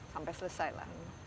sampai selesai lah